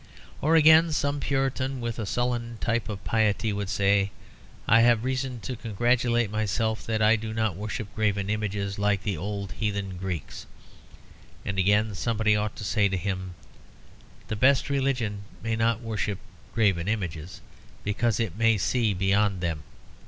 Or again, some Puritan with a sullen type of piety would say, "I have reason to congratulate myself that I do not worship graven images like the old heathen Greeks." And again somebody ought to say to him, "The best religion may not worship graven images, because it may see beyond them.